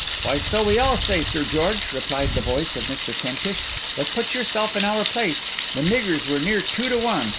'Why, so we all say, Sir George,' replied the voice of Mr. Kentish. 'But put yourself in our place. The niggers were near two to one.